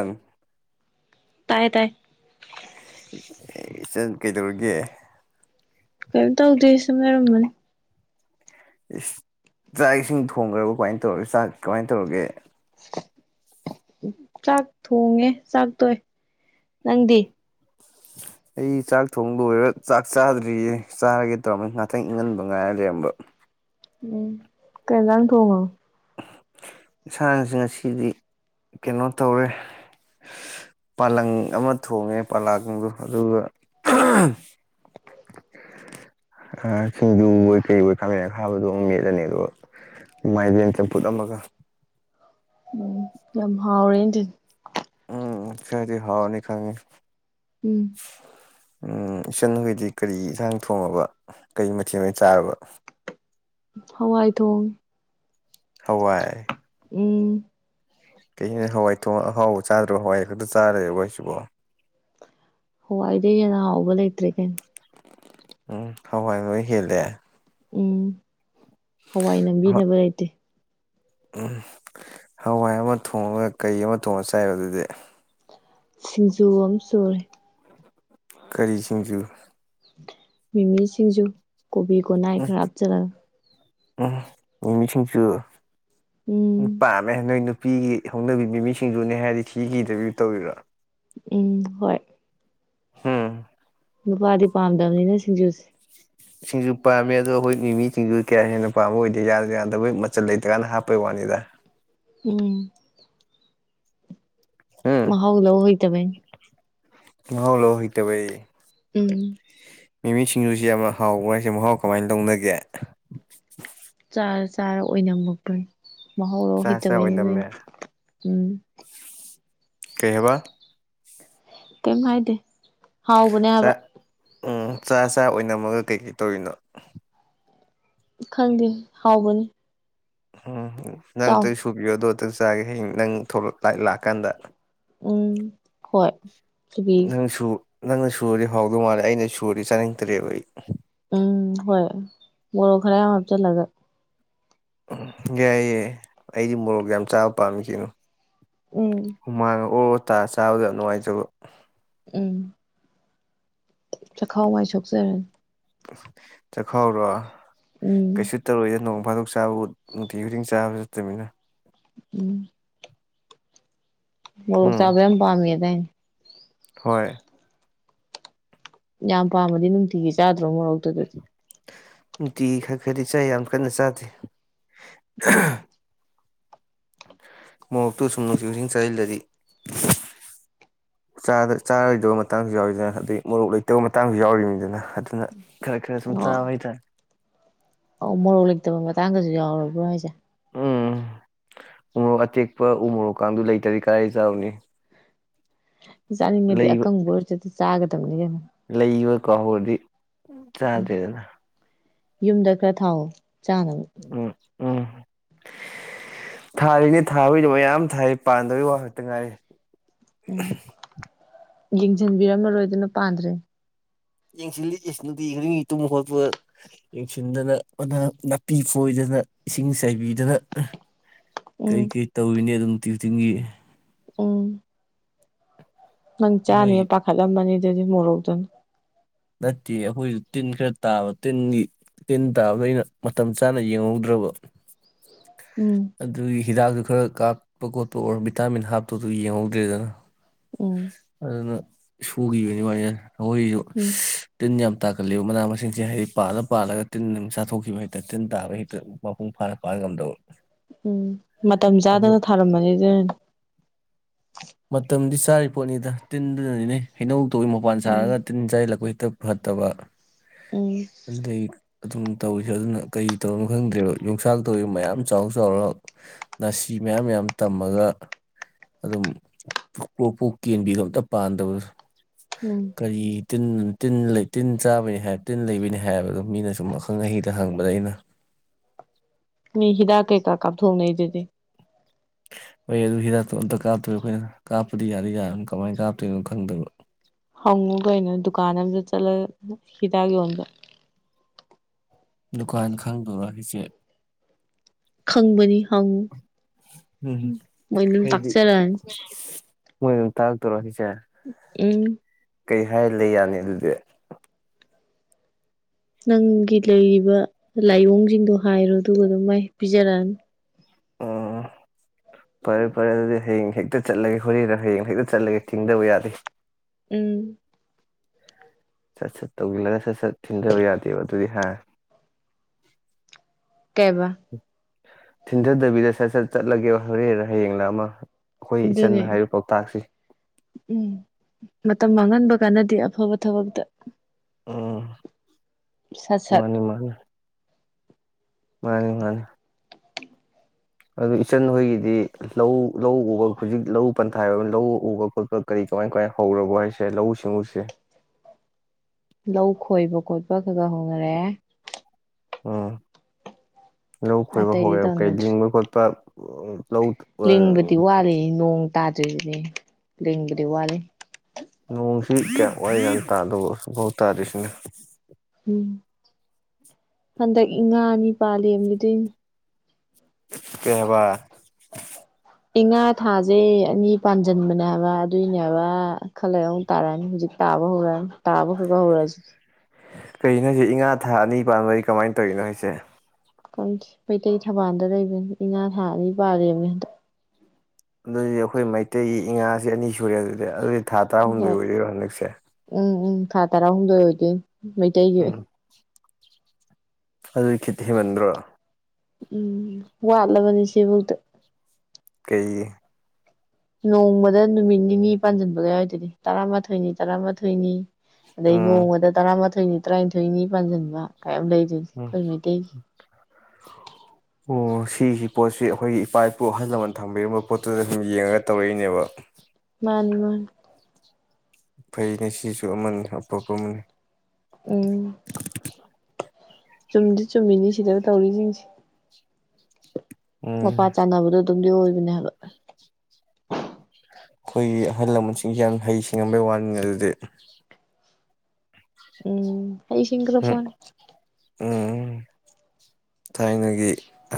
ꯑꯪ ꯇꯥꯏꯌꯦ ꯇꯥꯏ ꯏ-ꯏꯆꯟ ꯀꯩꯗꯧꯔꯤꯒꯦ ꯀꯔꯤꯝ ꯇꯧꯗꯦ ꯁꯨꯝ ꯂꯩꯔꯝꯕꯅꯦ ꯏꯁ ꯆꯥꯛ ꯏꯁꯤꯡ ꯊꯣꯡꯈ꯭ꯔꯕꯣ ꯀꯃꯥꯏ ꯇꯧꯔꯒꯦ ꯆꯥꯛ ꯀꯃꯥꯏ ꯇꯧꯔꯒꯦ [inaudible] ꯆꯥꯛ ꯊꯣꯡꯉꯦ ꯆꯥꯛ ꯇꯣꯛꯑꯦ ꯅꯪꯗꯤ ꯑꯩ ꯆꯥꯛ ꯊꯣꯡꯂꯣꯏꯔ ꯆꯥꯛ ꯆꯥꯗ꯭ꯔꯤꯌꯦ ꯆꯥꯔꯒꯦ ꯇꯧꯔꯝꯃꯦ ꯉꯥꯛꯇꯪ ꯏꯪꯍꯟꯕ ꯉꯥꯏꯔ ꯂꯩꯔꯝꯕ ꯎꯝ ꯀꯩ ꯌꯦꯟꯖꯥꯡ ꯊꯣꯡꯉꯣ ꯏꯁꯥꯁꯦ ꯉꯁꯤꯗꯤ ꯀꯩꯅꯣ ꯇꯧꯋꯦ ꯄꯥꯂꯪ ꯑꯃ ꯊꯣꯡꯉꯦ ꯄꯂꯥꯛ ꯑꯝꯒ ꯑꯗꯨꯒ ꯑꯥ ꯁꯤꯡꯖꯨ ꯑꯣꯏ ꯀꯩ ꯑꯣꯏ ꯈꯥꯃꯦꯟ ꯑꯈꯥꯕꯗꯣ ꯑꯃ ꯃꯦꯠꯂꯅꯤ ꯑꯗꯨꯒ ꯃꯥꯏꯔꯦꯟ ꯆꯝꯐꯨꯠ ꯑꯃꯒ ꯎꯝ ꯌꯥꯝ ꯍꯥꯎꯔꯦꯅꯦꯗꯨꯏ ꯎꯝ ꯈꯔꯗꯤ ꯍꯥꯎꯔꯅꯤ ꯈꯪꯉꯦ ꯎꯝ ꯎꯝ ꯏꯆꯟ ꯍꯣꯏꯗꯤ ꯀꯔꯤ ꯏꯟꯁꯥꯡ ꯊꯣꯡꯉꯕ ꯀꯔꯤ ꯃꯊꯦꯜ ꯑꯣꯏꯅ ꯆꯥꯔꯕ ꯍꯋꯥꯏ ꯊꯣꯡꯉꯦ ꯍꯋꯥꯏ ꯎꯝ ꯀꯩꯅꯣ ꯍꯋꯥꯏ ꯊꯣꯡꯉ ꯑꯍꯥꯎꯕ ꯆꯥꯗ꯭ꯔꯣ ꯍꯋꯥꯏ ꯈꯛꯇ ꯆꯥꯔ ꯂꯩꯔꯕꯣ ꯍꯥꯏꯁꯤꯕꯣ ꯍꯋꯥꯏꯗꯒꯤ ꯍꯦꯟꯅ ꯍꯥꯎꯕ ꯂꯩꯇ꯭ꯔꯦ ꯀꯩꯅꯣ ꯎꯝ ꯍꯋꯥꯏ ꯂꯣꯏ ꯍꯦꯜꯂꯦ ꯎꯝ ꯍꯋꯥꯏ ꯍ ꯅꯝꯕꯤꯅꯕ ꯂꯩꯇꯦ ꯎꯝ ꯍꯋꯥꯏ ꯑꯃ ꯊꯣꯡꯉꯒ ꯀꯩ ꯑꯃ ꯊꯣꯡꯉ ꯆꯥꯏꯕ ꯑꯗꯨꯗꯤ ꯁꯤꯡꯖꯨ ꯑꯃ ꯁꯨꯔꯦ ꯀꯔꯤ ꯁꯤꯡꯖꯨ ꯃꯤꯃꯤ ꯁꯤꯡꯖꯨ ꯀꯣꯕꯤ ꯀꯣꯅꯥꯏ ꯎꯝ ꯈꯔ ꯍꯥꯞꯆꯤꯜꯂꯒ ꯎꯝ ꯃꯤꯃꯤ ꯁꯤꯡꯖꯨ ꯎꯝ ꯅꯨꯄꯥꯃꯦ ꯅꯣꯏ ꯅꯨ ꯅꯨꯄꯤꯒꯤ ꯍꯧꯅꯕꯤ ꯃꯤꯃꯤ ꯁꯤꯡꯖꯨꯅꯦ ꯍꯥꯏꯔꯗꯤ ꯁꯤꯀꯤꯗꯕꯤ ꯇꯧꯔꯤꯔꯥ ꯎꯝ ꯍꯣꯏ ꯍꯨꯝ ꯅꯨꯄꯥꯗꯤ ꯄꯥꯝꯗꯕꯅꯤꯅ ꯁꯤꯡꯖꯨꯁꯦ ꯁꯤꯡꯖꯨ ꯄꯥꯝꯃꯦ ꯑꯗꯣ ꯍꯈꯣꯏ ꯃꯤꯃꯤ ꯁꯤꯡꯖꯨ ꯀꯌꯥ ꯍꯦꯟꯅ ꯄꯥꯝꯕ ꯑꯣꯏꯗꯦ ꯌꯥꯗ ꯌꯥꯗꯕꯣꯏ ꯃꯆꯜ ꯂꯩꯇ꯭ꯔꯀꯥꯟꯅ ꯍꯥꯞꯄꯩ ꯋꯥꯅꯤꯗ ꯎꯝ ꯎꯝ ꯃꯍꯥꯎ ꯂꯧ ꯍꯩꯇꯕꯩꯅꯦ ꯃꯍꯥꯎ ꯂꯧꯍꯩꯇꯕꯩ ꯎꯝ ꯃꯤꯃꯤ ꯁꯤꯡꯖꯨꯁꯤ ꯌꯥꯝꯅ ꯍꯥꯎꯕ꯭ꯔ ꯍꯥꯏꯁꯦ ꯃꯍꯥꯎ ꯀꯃꯥꯏꯅ ꯂꯧꯅꯒꯦ ꯆꯥꯔꯥ ꯆꯥꯔꯥ ꯑꯣꯏꯅꯝꯃꯛꯄꯅꯤ ꯆꯥ ꯆꯥ ꯃꯍꯥꯎꯂꯧꯍꯩꯇꯕꯩꯅꯤ ꯅꯣꯏꯅ ꯑꯣꯏꯗꯝꯃꯦ ꯎꯝ ꯀꯩꯑꯕ ꯀꯩꯝ ꯍꯥꯏꯗꯦ ꯍꯥꯎꯕꯅꯦ ꯍꯥꯏꯕ ꯆꯥꯛ ꯎꯝ ꯆꯥ ꯆꯥ ꯑꯣꯏꯅꯝꯃꯒ ꯀꯩꯀꯩ ꯇꯧꯔꯤꯅꯣ ꯈꯪꯗꯦ ꯍꯥꯎꯕꯅꯤ [inaudible] ꯅꯪ ꯆꯥꯎ ꯇꯩ ꯁꯨꯕꯤꯌꯣ ꯑꯗꯣ [unintelligible] ꯅꯪ ꯊꯣꯛꯂꯛ ꯂ ꯂꯥꯛꯀꯥꯟꯗ ꯎꯝ ꯍꯣꯏ ꯊꯕꯤ ꯅꯪ ꯁꯨ ꯅꯪꯅ ꯁꯨꯔꯗꯤ ꯍꯥꯎꯗꯧ ꯃꯥꯜꯂꯦ ꯑꯩꯅ ꯁꯨꯔꯗꯤ ꯆꯥꯅꯤꯡꯗ꯭ꯔꯦꯕ ꯑꯩ ꯎꯝ ꯍꯣꯏ ꯃꯣꯔꯣꯛ ꯈꯔ ꯌꯥꯝ ꯍꯥꯞꯆꯤꯜꯂꯒ ꯒꯩꯌꯦ ꯑꯩꯗꯤ ꯃꯣꯔꯣꯛ ꯌꯥꯝ ꯆꯥꯕ ꯄꯝꯃꯤ ꯀꯩꯅꯣ ꯎꯝ ꯍꯨꯃꯥꯡ ꯑꯣꯔ ꯍꯞꯇꯥ ꯆꯥꯕꯗ ꯅꯨꯡꯉꯥꯏꯖꯕ ꯎꯝ [inaudible] ꯆꯈꯥꯎ ꯃꯥꯏ ꯁꯣꯛꯆꯔꯅꯤ ꯆꯈꯥꯎꯔꯣ ꯎꯝ ꯀꯩꯁꯨꯇꯧꯔꯣꯏꯗꯅꯣꯡ ꯐꯥꯗꯣꯛ ꯆꯥꯕꯕꯨ ꯅꯨꯡꯇꯤ ꯈꯨꯗꯤꯡ ꯆꯥꯕꯁꯨ ꯅꯠꯇꯝꯅꯤꯅ ꯎꯝ ꯃꯣꯔꯣꯛ ꯎꯝ ꯆꯥꯕ ꯌꯥꯝ ꯄꯥꯝꯃꯦ [unintelligible] ꯍꯣꯏ ꯌꯥꯝ ꯄꯥꯝꯃꯗꯤ ꯅꯨꯡꯇꯤꯒꯤ ꯆꯥꯗ꯭ꯔꯣ ꯃꯣꯔꯣꯛꯇꯨ ꯑꯗꯨꯗꯤ ꯅꯨꯡꯇꯤꯒꯤ ꯈꯔ ꯈꯗꯤ ꯆꯥꯏ ꯌꯥꯝ ꯀꯟꯅꯗꯤ ꯆꯥꯗꯦ ꯎꯝ ꯃꯣꯔꯣꯛꯇꯨ ꯁꯨꯝ ꯅꯨꯡꯁꯤꯈꯨꯗꯤꯡ ꯆꯥꯁꯤꯜꯂꯗꯤ ꯆꯥꯗ ꯆꯥꯔꯣꯏꯗꯕ ꯃꯇꯥꯡꯁꯨ ꯌꯥꯎꯋꯤꯗꯅ ꯑꯗꯩ ꯃꯣꯔꯣꯛ ꯂꯩꯇꯕ ꯃꯇꯥꯡꯁꯨ ꯌꯥꯎꯔꯤꯅꯤꯗꯅ ꯑꯗꯨꯅ ꯈꯔ ꯈꯔ ꯁꯨꯝ ꯆꯥꯕ ꯍꯥꯏꯇꯥꯔꯦ ꯑꯣ ꯃꯣꯔꯣꯛ ꯂꯩꯇꯕ ꯃꯇꯥꯡꯗꯁꯨ ꯌꯥꯎꯔꯕ꯭ꯔꯣ ꯍꯥꯏꯁꯦ ꯎꯝ ꯎꯃꯣꯔꯣꯛ ꯑꯇꯦꯛꯄ ꯎꯃꯣꯔꯣꯛꯀꯗꯨ ꯂꯩꯇꯔꯥꯗꯤ ꯀꯥꯏ ꯆꯥꯔꯨꯅꯤ [inaudible] ꯆꯥꯅꯤꯡꯉꯗꯤ ꯂꯩꯕ ꯑꯀꯪꯕ ꯑꯣꯏꯔꯖꯨ ꯆꯥꯒꯗ ꯇꯝꯅꯤ [unintelligible] ꯂꯩꯕ ꯀꯥꯎꯍꯧꯔꯗꯤ ꯎꯝ ꯆꯥꯗ꯭ꯔꯦꯗꯅ ꯌꯨꯝꯗ ꯈꯔ ꯊꯥꯎꯑꯣ ꯆꯥꯅꯕ ꯎꯝ ꯎꯝ ꯊꯥꯔꯤꯅꯦ ꯊꯥꯕꯩꯗꯣ ꯃꯌꯥꯝ ꯊꯥꯔꯤ ꯄꯥꯟꯗꯕꯩ ꯋꯥ ꯈꯛꯇ ꯉꯥꯏꯔꯤ ꯎꯝ ꯌꯦꯡꯁꯤꯟꯕꯤꯔꯝꯃꯔꯣꯏꯗꯅ ꯄꯥꯟꯗ꯭ꯔꯦ ꯌꯦꯡꯁꯤꯜꯂꯤꯛꯑ ꯅꯨꯡꯇꯤ ꯈꯨꯗꯤꯡꯒꯤ ꯇꯨꯝꯕ ꯈꯣꯠꯄ ꯌꯦꯡꯁꯤꯟꯗꯅ ꯃꯅ ꯅꯥꯄꯤ ꯐꯣꯏꯗꯅ ꯏꯁꯤꯡ ꯆꯥꯏꯕꯤꯗꯅ ꯎꯝ ꯀꯩ ꯀꯩ ꯇꯧꯔꯤꯅꯤ ꯑꯗꯨꯝ ꯇꯤ ꯈꯨꯗꯤꯡꯒꯤ [unintelligible] ꯑꯪ ꯅꯪ ꯃꯣꯏꯁꯦ ꯆꯥꯅꯤꯌꯦ ꯄꯥꯈꯂꯝ ꯃꯅꯤ ꯗꯤ ꯃꯣꯔꯣꯛꯇꯨꯅ ꯅꯠꯇꯦ ꯑꯩꯈꯣꯏꯁꯨ ꯇꯤꯟ ꯈꯔ ꯇꯥꯕ ꯇꯤꯟꯒꯤ ꯇꯤꯟ ꯇꯥꯕꯗ ꯑꯩꯅ ꯃꯇꯝ ꯆꯥꯅ ꯌꯦꯡꯍꯧꯗ꯭ꯔꯕ ꯎꯝ ꯑꯗꯨꯗ ꯏ ꯍꯤꯗꯥꯛ ꯈꯔ ꯀꯥꯞꯄ ꯈꯣꯠꯄ ꯑꯣꯔ ꯚꯤꯇꯥꯃꯤꯟ ꯍꯥꯞꯄꯗꯨ ꯌꯦꯡꯍꯧꯗ꯭ꯔꯦꯗꯅ ꯎꯝ ꯑꯗꯨꯅ ꯁꯨꯒꯤꯕꯅꯤ ꯃꯥꯏꯅ ꯑꯩꯈꯣꯏꯁꯨ ꯎꯝ ꯇꯤꯟ ꯌꯥꯝ ꯇꯥꯛꯀꯠꯂꯤꯕ ꯃꯅꯥ ꯃꯁꯤꯡꯁꯦ ꯍꯥꯏꯗꯤ ꯄꯥꯜꯂ ꯄꯥꯜꯂꯒ ꯇꯤꯟ ꯆꯥꯊꯣꯛꯈꯤꯕ ꯍꯦꯛꯇ ꯇꯤꯟ ꯇꯥꯕ ꯍꯦꯛꯇ ꯃꯄꯨꯡ ꯐꯥꯅ ꯄꯥꯟ ꯉꯝꯗꯕ ꯎꯝ ꯃꯇꯝ ꯑꯗꯨ ꯆꯥꯗꯅ ꯊꯥꯔꯝꯃꯅꯤ ꯑꯗꯨꯅꯅꯤ ꯃꯇꯝꯗꯤ ꯆꯥꯔꯤ ꯄꯣꯠꯅꯤꯗ ꯇꯤꯟꯗꯨꯅꯅꯤꯅꯦ ꯍꯩꯅꯧ ꯇꯧꯏ ꯃꯄꯥꯟ ꯎꯝ ꯁꯥꯔꯒ ꯇꯤꯟ ꯆꯥꯏ ꯂꯀꯣꯏ ꯠꯇ ꯐꯠꯇꯕ ꯎꯝ ꯑꯗꯨꯗꯩ ꯑꯗꯨꯝ ꯇꯧꯋꯤꯁꯦ ꯑꯗꯨꯅ ꯀꯔꯤ ꯇꯧꯔꯤꯅꯣ ꯈꯪꯗ꯭ꯔꯦꯕ ꯌꯣꯡꯆꯥꯛ ꯇꯧꯋꯤ ꯃꯌꯥꯝ ꯆꯥꯎ ꯆꯥꯎꯔ ꯅꯥꯁꯤ ꯃꯌꯥꯝ ꯃꯌꯥꯝ ꯇꯝꯃꯒ ꯑꯗꯨꯝ ꯄꯣꯛꯄꯣꯛ ꯀꯦꯟꯕꯤꯕ ꯑꯝꯇ ꯄꯥꯟꯗꯕꯁꯨ ꯎꯝ ꯀꯔꯤ ꯇꯤꯟ ꯇꯤꯟ ꯇꯤꯟ ꯆꯥꯕꯅꯤ ꯍꯥꯏ ꯇꯤꯟ ꯂꯩꯕꯅꯤ ꯍꯥꯏꯕꯗꯣ ꯃꯤꯅ ꯁꯨꯝ ꯑꯈꯪ ꯑꯍꯩꯗ ꯍꯪꯕꯗ ꯑꯩꯅ ꯃꯤ ꯍꯤꯗꯥꯥꯛ ꯀꯦ ꯀꯥ ꯀꯥꯞ ꯊꯣꯛꯅꯩꯗꯨꯗꯤ ꯍꯣꯏ ꯑꯗꯨ ꯍꯤꯗꯥꯛꯇꯣ ꯑꯝꯇ ꯀꯥꯞꯇꯣꯏ ꯑꯩꯈꯣꯏꯅ ꯀꯥꯞꯄꯗꯤ ꯌꯥꯗꯤ ꯌꯥꯔꯕꯅꯦ ꯀꯃꯥꯏꯅ ꯀꯥꯞꯇꯣꯏꯅꯣ ꯈꯪꯗꯕ ꯍꯪꯉꯨ ꯀꯩꯅꯣ ꯗꯨꯀꯥꯟ ꯑꯗ ꯆꯠꯂꯒ ꯍꯤꯗꯥꯛ ꯌꯣꯟꯕ ꯗꯨꯀꯥꯟ ꯈꯪꯗꯣꯔꯣ ꯍꯤꯏꯁꯦ ꯈꯪꯕꯅꯤ ꯍꯪꯉꯨ ꯎꯝ ꯃꯣꯏ ꯑꯗꯨꯝ ꯑꯩꯗꯤ ꯇꯥꯛꯆꯔꯛꯑꯅꯤ ꯃꯣꯏ ꯑꯗꯨꯝ ꯇꯥꯛꯂꯛꯇꯣꯏꯔꯣ ꯍꯥꯏꯁꯦ ꯎꯝ ꯀꯩ ꯍꯥꯏ ꯂꯩ ꯌꯥꯅꯤ ꯑꯗꯨꯗꯤ ꯅꯪꯒꯤ ꯂꯩꯔꯤꯕ ꯂꯥꯏꯑꯣꯡꯁꯤꯡꯗꯣ ꯍꯥꯏꯔꯣ ꯑꯗꯨꯒ ꯑꯗꯨꯝ ꯃꯥꯏ ꯄꯤꯖꯔꯛꯑꯅꯤ ꯎꯝ ꯐꯔꯦ ꯐꯔꯦ ꯑꯗꯨꯗꯤ ꯍꯌꯦꯡ ꯍꯦꯛꯇ ꯆꯠꯂꯒꯦ ꯍꯣꯔꯦꯟꯅ ꯍꯌꯦꯡ ꯍꯦꯛꯇ ꯆꯠꯂꯒꯦ ꯊꯦꯡꯗꯕ ꯌꯥꯗꯦ ꯎꯝ ꯁꯠ ꯁꯠ ꯇꯧꯖꯤꯜꯂꯒ ꯁꯠ ꯁꯠ ꯊꯤꯟꯊꯕ ꯌꯥꯗꯦꯕ ꯑꯗꯨꯗꯤ ꯍꯥ ꯀꯩꯕ ꯊꯤꯟꯊꯗꯕꯤꯗ ꯁꯠ ꯁꯠ ꯆꯠꯂꯒꯦꯕ ꯍꯣꯔꯦꯟꯂ ꯍꯌꯦꯡꯂ ꯑꯃ ꯑꯩꯈꯣꯏ ꯑꯗꯨꯅꯦ ꯏꯆꯟꯅ ꯍꯥꯏꯔꯤꯕ ꯄꯥꯎꯇꯥꯛꯁꯤ ꯎꯝ ꯃꯇꯝ ꯃꯥꯡꯍꯟꯕ ꯀꯥꯟꯅꯗꯦ ꯑꯐꯕ ꯊꯕꯛꯇ ꯎꯝ ꯁꯠ ꯁꯠ ꯃꯥꯅꯦ ꯃꯥꯅꯦ ꯃꯥꯅꯤ ꯃꯥꯅꯤ ꯑꯗꯨ ꯏꯆꯟ ꯍꯣꯏꯒꯤꯗꯤ ꯂꯧ ꯂꯧ ꯎꯕ ꯍꯧꯖꯤꯛ ꯂꯧ ꯄꯟꯊꯥ ꯌꯧꯕ ꯂꯧ ꯎꯕ ꯈꯣꯠꯄ ꯀꯔꯤ ꯀꯃꯥꯏ ꯀꯃꯥꯏꯅ ꯍꯧꯔꯕꯣ ꯍꯥꯏꯁꯦ ꯂꯧꯎ ꯁꯤꯡꯎꯁꯦ ꯂꯧ ꯈꯣꯏꯕ ꯈꯣꯠꯄ ꯈꯒ ꯍꯧꯅꯔꯛꯑꯦ ꯎꯝ ꯂꯧ ꯈꯣꯏꯕ ꯑꯇꯩꯗꯤ ꯍꯧꯔꯦꯕ ꯀꯩ ꯇꯧꯅꯗ꯭ꯔꯤ ꯂꯤꯡꯕ ꯈꯣꯠꯄ ꯑꯣ ꯂꯤꯡꯕꯗꯤ ꯋꯥꯠꯂꯤ ꯅꯣꯡ ꯇꯥꯗ꯭ꯔꯤꯖꯤꯅꯦ ꯂꯤꯡꯕꯗꯤ ꯋꯥꯠꯂꯤ ꯅꯣꯡꯁꯤ ꯀꯌꯥꯝ ꯋꯥꯏꯂꯤ ꯌꯥꯠꯅꯣ ꯍꯧꯖꯤꯛ ꯐꯥꯎ ꯇꯥꯗ꯭ꯔꯤꯁꯤꯅ ꯎꯝ ꯍꯟꯗꯛ ꯏꯉꯥ ꯑꯅꯤ ꯄꯥꯂꯦꯅꯤ ꯑꯗꯨꯏꯅꯤ ꯀꯩꯍꯥꯏꯕ ꯏꯉꯥ ꯊꯥꯖꯦ ꯑꯅꯤ ꯄꯥꯟꯁꯤꯟꯕꯅꯦ ꯍꯥꯏꯕ ꯑꯗꯨꯏꯅꯦꯕ ꯈꯔ ꯂꯩꯔ ꯑꯃꯨꯛ ꯇꯥꯔꯛꯑꯅꯤ ꯍꯧꯖꯤꯛ ꯇꯥꯕ ꯍꯧꯔꯛꯑꯅꯤ ꯇꯥꯕ ꯍꯧꯕ ꯍꯧꯔꯛꯑꯁꯤꯗꯤ ꯀꯩꯅꯣ ꯍꯥꯏꯁꯦ ꯏꯉꯥ ꯊꯥ ꯑꯅꯤ ꯄꯥꯟꯕꯥꯏꯁꯦ ꯀꯃꯥꯏꯅ ꯇꯧꯔꯤꯅꯣ ꯍꯥꯏꯁꯦ ꯈꯪꯗꯦ ꯃꯩꯇꯩ ꯊꯕꯥꯜꯗ ꯂꯩꯕꯅꯦ ꯏꯉꯥ ꯊꯥ ꯑꯅꯤ ꯄꯥꯜꯂꯦꯝꯅꯦ ꯍꯟꯗꯛ ꯑꯗꯨꯗꯤ ꯑꯩꯈꯣꯏ ꯃꯩꯇꯩꯒꯤ ꯏꯉꯥꯁꯦ ꯑꯅꯤ ꯁꯨꯔꯦ ꯑꯗꯨꯗꯤ ꯑꯗꯨ ꯊꯥ ꯇꯔꯥꯍꯨꯝꯗꯣꯏ ꯍꯣꯏ ꯑꯣꯏꯗꯣꯏꯔꯣ ꯍꯟꯗꯛꯁꯦ ꯎꯝ ꯎꯝ ꯊꯥ ꯇꯔꯥꯍꯨꯝꯗꯣꯏ ꯑꯣꯏꯗꯣꯏꯅꯤ ꯃꯩꯇꯩꯒꯤ ꯎꯝ ꯑꯣꯏꯅ ꯑꯗꯨꯗꯤ ꯈꯤꯠ ꯍꯦꯟꯃꯟꯗ꯭ꯔꯣ ꯎꯝ ꯋꯥꯠꯂꯕꯅꯤ ꯁꯤꯕꯧꯗ ꯀꯩ ꯅꯣꯡꯃꯗ ꯅꯨꯃꯤꯠ ꯅꯤꯅꯤ ꯄꯥꯟꯁꯤꯟꯕꯒ ꯌꯥꯎꯋꯗꯨꯗꯤ ꯇꯔꯥꯃꯥꯊꯣꯏꯅꯤ ꯇꯔꯥꯃꯥꯊꯣꯏꯅꯤ ꯑꯗꯩ ꯎꯝ ꯅꯣꯡꯃꯗ ꯇꯔꯥꯃꯊꯣꯏ ꯊꯣꯏꯅꯤ ꯇ꯭ꯔꯥꯏꯕ ꯂꯩꯅꯤ ꯄꯥꯟꯖꯟꯕ ꯀꯌꯥꯝ ꯂꯩꯗꯨꯗꯤ ꯎꯝ ꯑꯩꯈꯣꯏ ꯃꯩꯇꯩꯒꯤ ꯑꯣ ꯁꯤꯁꯤ ꯄꯣꯠꯁꯤ ꯑꯩꯈꯣꯏꯒꯤ ꯏꯄꯥ ꯏꯄꯨ ꯑꯍꯜ ꯂꯃꯟ ꯊꯝꯕꯤꯔꯝꯕ ꯄꯣꯠꯇꯨꯗ ꯁꯨꯝ ꯌꯦꯡꯉꯒ ꯇꯧꯔꯛꯏꯅꯦꯕ ꯃꯅꯤ ꯃꯅꯤ ꯐꯩꯩꯅ ꯁꯤꯁꯨ ꯑꯃꯅꯤ ꯑꯐꯄ ꯑꯃꯅꯤ ꯎꯝ ꯆꯨꯝꯗꯤ ꯆꯨꯝꯃꯤꯅꯤ ꯁꯤꯗ ꯇꯧꯔꯤꯁꯤꯡꯁꯦ ꯎꯝ ꯃꯄꯥ ꯆꯅꯥꯕꯗꯨ ꯝꯗꯤ ꯑꯣꯏꯕꯅꯦ ꯍꯥꯏꯕ ꯑꯩꯈꯣꯏꯒꯤ ꯑꯍꯜ ꯂꯃꯟꯁꯤꯡꯁꯤ ꯌꯥꯝ ꯍꯩ ꯁꯤꯡꯉꯝꯕꯩ ꯋꯥꯅꯤꯅꯦ ꯑꯗꯨꯗꯤ ꯎꯝ ꯍꯩꯁꯤꯡꯒ꯭ꯔ ꯎꯝ ꯄꯣꯠꯅꯤ ꯎꯝ ꯊꯥꯏꯅꯒꯤ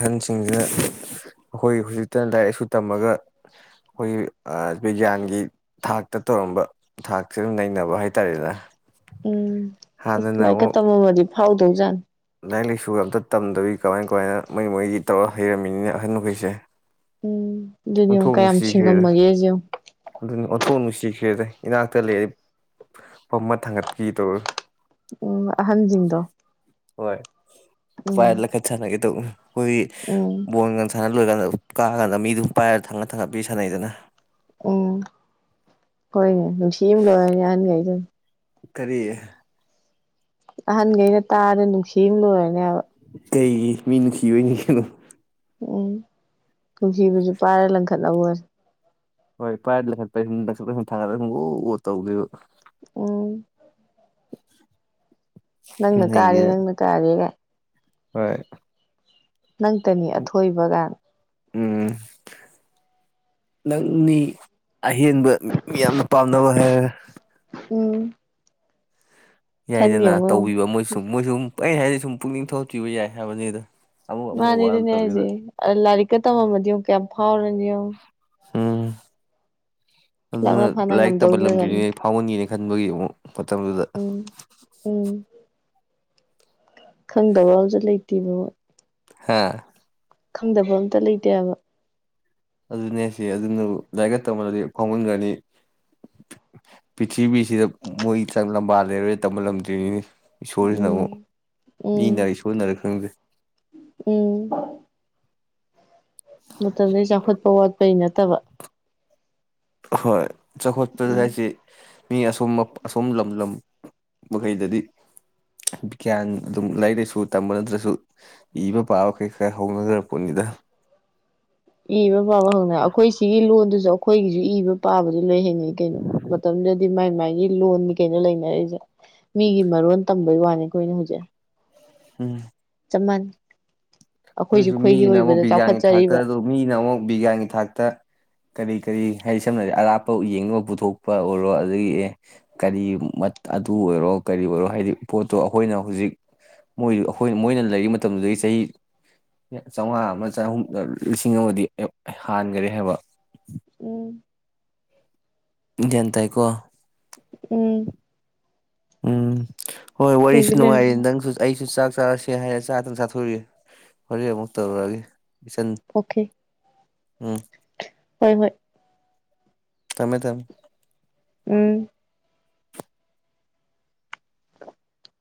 ꯑꯍꯟꯁꯤꯡꯁꯤꯅ ꯑꯩꯈꯣꯏ ꯍꯧꯖꯤꯛꯇ ꯂꯥꯏꯔꯤꯛ ꯂꯥꯏꯁꯨ ꯇꯝꯃꯒ ꯑꯩꯈꯣꯏꯒꯤ ꯕꯤꯒ꯭ꯌꯥꯟꯒꯤ ꯊꯥꯛꯇ ꯇꯧꯔꯝꯕ ꯊꯥꯛꯁꯤ ꯑꯗꯨꯝ ꯅꯩꯅꯕ ꯍꯥꯏ ꯇꯥꯔꯦꯗꯅ ꯎꯝ ꯏꯁ ꯂꯥꯏꯀ ꯇꯝ ꯃꯝꯃꯗꯤ ꯐꯎꯗꯩꯖꯠꯅꯤ ꯂꯥꯏꯔꯤꯛ ꯂꯥꯏꯁꯨ ꯑꯝꯇ ꯇꯝꯗꯕꯤ ꯀꯃꯥꯏ ꯀꯃꯥꯏꯅ ꯃꯣꯏ ꯃꯣꯏꯗꯤ ꯇꯧꯔꯒ ꯍꯩꯔꯝꯃꯤꯅꯤꯅꯦ ꯑꯍꯟ ꯍꯣꯏꯁꯦ ꯎꯝ ꯑꯗꯨꯗꯤ ꯀꯌꯥꯝ ꯁꯤꯡꯉꯝꯃꯒꯦꯖꯦ ꯊꯣꯡ ꯅꯨꯡꯁꯤꯈ꯭ꯔꯦꯗ ꯏꯅꯥꯛꯇ ꯂꯩꯔꯗꯤ ꯐꯃ ꯊꯥꯡꯒꯠꯄꯤꯒꯦ ꯇꯧꯔ ꯎꯝ ꯑꯍꯟꯁꯤꯡꯗꯣ ꯍꯣꯏ ꯄꯥꯏ ꯎꯝ ꯂꯡꯈꯠ ꯁꯅꯒꯦ ꯇꯧꯅꯤ ꯑꯩꯈꯣꯏ ꯎꯝ ꯕꯣꯟꯒ ꯁꯅ ꯂꯣꯏꯀꯥꯟꯗ ꯀꯀꯥꯟꯗ ꯃꯤꯗꯨ ꯄꯥꯏꯔ ꯊꯪꯉꯒ ꯊꯪꯒꯄꯤ ꯁꯥꯟꯅꯩꯗꯅ ꯎꯝ ꯍꯣꯏꯅꯦ ꯅꯨꯡꯁꯤꯝ ꯂꯣꯏꯔꯅꯤ ꯑꯍꯟꯒꯩ ꯗꯨꯅ ꯀꯔꯤ ꯑꯍꯟꯈꯩꯅ ꯇꯥꯔ ꯅꯨꯡꯁꯤꯅ ꯂꯣꯏꯔꯅꯦꯕ ꯀꯩꯒꯤ ꯅꯨꯡꯁꯤꯕꯩꯅꯤ ꯀꯩꯅꯣ ꯎꯝ ꯅꯨꯡꯁꯤꯕꯁꯨ ꯄꯥꯏꯔ ꯂꯪꯈꯠꯅꯕꯑꯣꯏꯔꯦ ꯍꯣꯏ ꯄꯥꯏ ꯂꯩ ꯄꯥꯏꯅꯤꯡꯕ [unintelligible] ꯒꯨ ꯒꯨ ꯇꯧꯗꯣꯏꯕ ꯎꯝ ꯅꯪꯅ ꯀꯥꯗꯩ ꯅꯩꯒꯦꯅ ꯅꯪꯅ ꯀꯔꯥꯏꯗꯒꯤ ꯍꯣꯏ ꯅꯪꯇꯅꯤ ꯑꯊꯣꯏꯕꯒꯥꯏꯅ ꯎꯝ [inaudible] ꯅꯪꯅꯤ ꯑꯍꯦꯟꯕ ꯃꯤꯌꯥꯝꯅ ꯄꯥꯝꯅꯕ ꯍꯥꯏꯔꯒ ꯎꯝ ꯈꯟꯅꯤ ꯌꯥꯏꯗꯅ ꯌꯦꯡꯉꯣ ꯌꯦꯡꯉꯣ ꯇꯧꯕꯤꯕ ꯃꯣꯏꯁꯨ ꯃꯣꯏꯗꯨꯝ ꯄꯨꯍꯥꯏ ꯍꯥꯏꯗꯤ ꯁꯨꯝ ꯄꯨꯛꯅꯤꯡ ꯊꯧꯒꯠꯈꯤꯕ ꯌꯥꯏ ꯍꯥꯏꯕꯅꯤꯗ ꯑꯃꯨꯛ ꯑꯃꯨꯛ ꯃꯥꯅꯦ ꯋꯥꯅ ꯑꯗꯨꯅꯦ ꯇꯧꯔꯤꯗ ꯍꯥꯏꯁꯦ ꯑ ꯂꯔꯤꯛꯀ ꯇꯝꯃꯝꯃꯗꯤ ꯀꯌꯥꯝ ꯐꯎꯥꯔꯅꯤ ꯌꯦꯡꯉꯣ ꯎꯝ ꯑꯗꯨꯅ ꯂꯥꯛꯅ ꯐꯥꯅ ꯂꯥꯏꯔꯤꯛ ꯉꯝꯗꯧꯅꯔꯅꯤ ꯇꯝꯍꯜꯂꯝꯗ꯭ꯔꯤꯅꯤꯅꯦ ꯐꯥꯎꯍꯟꯒꯦ ꯈꯟꯕꯒꯤ ꯑꯃꯨꯛ ꯄꯠꯇꯗꯨꯗ [unintelligible] ꯎꯝ ꯎꯝ ꯈꯪꯗꯕ ꯑꯝꯁꯨ ꯂꯩꯇꯦꯕꯣ ꯍꯥ ꯈꯪꯗꯕ ꯑꯝꯇ ꯂꯩꯇꯦ ꯍꯥꯏꯕ ꯑꯗꯨꯅꯦ ꯁꯤ ꯑꯗꯨꯅꯕꯨ ꯂꯥꯏꯔꯤꯛꯀ ꯇꯝꯃꯝꯒ꯭ꯔꯗꯤ ꯐꯥꯎꯃꯟꯒꯅꯤ ꯄ꯭ꯔꯤꯊꯤꯕꯤꯁꯤꯗ ꯃꯣꯏ ꯆꯪ ꯂꯝꯕꯥ ꯂꯩꯔꯣꯏ ꯇꯝꯍꯜꯂꯝꯗ꯭ꯔꯤꯅꯤꯅꯦ ꯏꯁꯣꯔꯁꯤꯅꯥ ꯑꯃꯨꯛ ꯎꯝ ꯎꯝ ꯃꯤꯅꯥꯔ ꯏꯁꯣꯔꯅꯥꯔ ꯈꯪꯗꯦ ꯃꯇꯝꯗꯨꯏ ꯆꯥꯎꯈꯠꯄ ꯋꯥꯠꯄꯩ ꯅꯠꯇꯕ ꯍꯣꯏ ꯆꯥꯎꯈꯠꯄꯗ ꯎꯝ ꯍꯥꯏꯁꯦ ꯃꯤ ꯑꯁꯣ ꯑꯁꯣꯝ ꯂꯝ ꯂꯝ ꯃꯈꯩꯗꯗꯤ ꯕꯤꯒ꯭ꯌꯥꯟ ꯑꯗꯨꯝ ꯂꯥꯏꯔꯤꯛ ꯂꯥꯏꯁꯨ ꯇꯝꯕ ꯅꯠꯇ꯭ꯔꯁꯨ ꯏꯕ ꯄꯥꯕ ꯃꯈꯩ ꯈꯔ ꯍꯧꯅꯈ꯭ꯔꯛꯄꯣꯠꯅꯤꯗ ꯏꯕ ꯄꯥꯕ ꯍꯧꯅ ꯑꯩꯈꯣꯏ ꯁꯤꯒꯤ ꯂꯣꯟꯗꯨꯁꯨ ꯑꯩꯈꯣꯏꯒꯤꯁꯨ ꯏꯕ ꯄꯥꯕꯗꯤ ꯂꯣꯏ ꯍꯅꯩ ꯀꯩꯅꯣ ꯃꯇꯝꯗꯨꯗꯗꯤ ꯃꯥꯏ ꯃꯥꯏꯒꯤ ꯂꯣꯟꯅꯤ ꯀꯩꯅꯣ ꯂꯩꯅꯔꯛꯏꯁꯦ ꯃꯤꯒꯤ ꯃꯔꯣꯟ ꯇꯝꯕꯩ ꯋꯥꯅꯤ ꯑꯩꯈꯣꯏꯅ ꯍꯧꯖꯤꯛ ꯎꯝ ꯆꯞꯃꯥꯟ ꯑꯗꯨꯁꯨ ꯃꯤꯒꯤꯅ ꯑꯃꯨꯛ ꯕꯤꯒ꯭ꯌꯥꯟꯒꯤ ꯊꯥꯛꯇ ꯑꯗꯨ ꯃꯤꯅ ꯑꯃꯨꯛ ꯕꯤꯒꯤ꯭ꯌꯥꯟꯒꯤ ꯊꯥꯛꯇ ꯀꯔꯤ ꯀꯔꯤ ꯍꯥꯏꯗꯤ ꯁꯝꯅ ꯍꯥꯏꯔꯕꯗ ꯑꯔꯥꯞꯄ ꯌꯦꯡꯅꯕ ꯄꯨꯊꯣꯛꯄ ꯑꯣꯏꯔꯣ ꯑꯗꯒꯤ ꯑꯦ ꯀꯔꯤ ꯑꯗꯨꯕꯨ ꯑꯣꯏꯔꯣ ꯀꯔꯤ ꯑꯣꯏꯔꯣ ꯍꯥꯏꯗꯤ ꯄꯣꯠꯇꯣ ꯑꯩꯈꯣꯏꯅ ꯍꯧꯖꯤꯛ ꯃꯣꯏ ꯑꯩꯈꯣꯏ ꯃꯣꯏꯅ ꯂꯩꯔꯤ ꯃꯇꯝꯗꯨꯗꯒꯤ ꯆꯍꯤ ꯆꯥꯝꯃꯉꯥ ꯑꯃ ꯆꯍꯨꯝ ꯂꯤꯁꯤꯡ ꯑꯃꯗꯤ ꯍꯥꯟꯒꯔꯦ ꯍꯥꯏꯕ ꯎꯝ ꯒ꯭ꯌꯥꯟ ꯇꯥꯏꯀꯣ ꯎꯝ ꯎꯝ ꯍꯣꯏ ꯋꯥꯔꯤꯁꯨ ꯑꯩꯈꯣꯏꯁꯨ ꯅꯨꯡꯉꯥꯏꯔꯦ ꯂꯩꯔꯝꯃꯤ ꯅꯪꯁꯨ ꯑꯩꯁꯨ ꯆꯥꯛ ꯆꯥꯔꯁꯦ ꯍꯥꯏꯔꯦ ꯆꯥꯗꯪ ꯆꯥꯊꯣꯛꯏ ꯍꯣꯔꯦꯟ ꯑꯃꯨꯛ ꯇꯧꯔꯛꯑꯒꯦ ꯏꯆꯟ ꯑꯣꯀꯦ ꯎꯝ ꯍꯣꯏ ꯍꯣꯏ ꯊꯃꯦ ꯊꯃꯦ ꯎꯝ